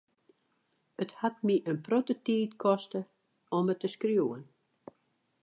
It hat my in protte tiid koste om it te skriuwen.